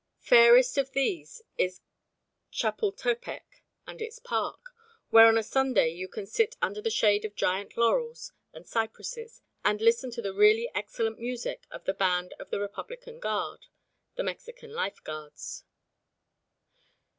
Fairest of these is Chapultepec and its park, where on a Sunday you can sit under the shade of giant laurels and cypresses and listen to the really excellent music of the band of the Republican Guard (the Mexican Life Guards).